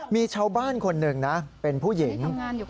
มีชาวบ้านคนหนึ่งนะเป็นผู้หญิง